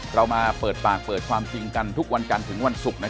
ประชาชนเขารู้สึกว่าเป็นการทำการที่ไม่เหมาะสมครับ